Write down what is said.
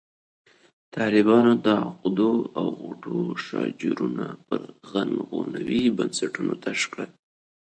طالبانو د عقدو او غوټو شاجورونه پر عنعنوي بنسټونو تش کړل.